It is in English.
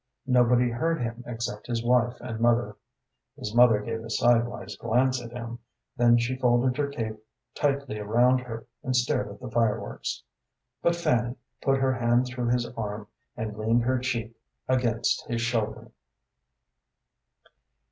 Nobody heard him except his wife and mother. His mother gave a sidewise glance at him, then she folded her cape tightly around her and stared at the fireworks, but Fanny put her hand through his arm and leaned her cheek against his shoulder.